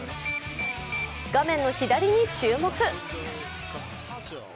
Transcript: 画面の左に注目。